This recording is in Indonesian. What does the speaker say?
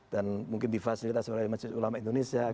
dan mungkin di fasilitas oleh majelis ulama indonesia